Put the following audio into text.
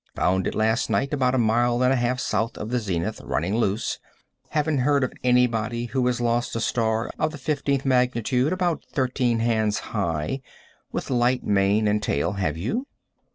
Found it last night about a mile and a half south of the zenith, running loose. Haven't heard of anybody who has lost a star of the fifteenth magnitude, about thirteen hands high, with light mane and tail, have you?"